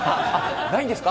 ないんですか？